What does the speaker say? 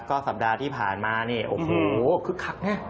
ก็สัปดาห์ที่ผ่านมานี่โอ้โหคึกคักไง